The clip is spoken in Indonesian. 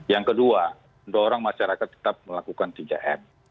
yang kedua mendorong masyarakat tetap melakukan tiga m